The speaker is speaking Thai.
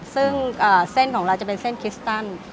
ซึ่งเส้นของเราจะเป็นเส้นคิสตัน